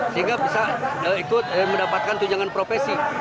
sehingga bisa ikut mendapatkan tunjangan profesi